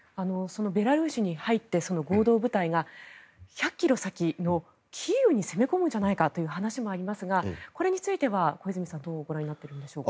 ベラルーシに入ってその合同部隊が１００ｋｍ先のキーウに攻め込むんじゃないかって話もありますがこれについては、小泉さんどうご覧になってるんでしょう。